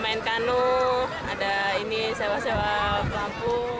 main kanon ada ini sewa sewa pelampung